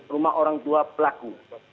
rumah orang tua pelaku